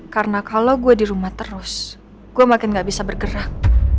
karena kalau gue di rumah terus gue makin nggak bisa bergerak